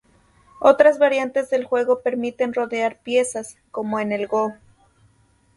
Otras variantes del juego permiten rodear piezas, como en el Go.